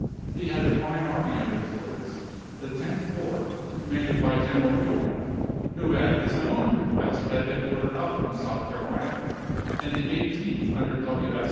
He had a fine army under his orders — the Tenth Corps, com manded by General Gillmore, who at his own re quest had been ordered up from South Carolina ; and the Eighteenth under W.